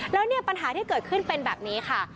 แล้วเนี่ยปัญหาที่เกิดขึ้นเป็นแบบนี้ค่ะ